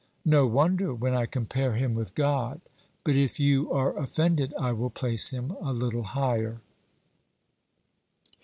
No wonder, when I compare him with God; but, if you are offended, I will place him a little higher.